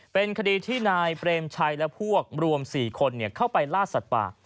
เป็นคดีที่นายเปรมชัยและพวกรวม๔คนเข้าไปล่าสัตว์ป่า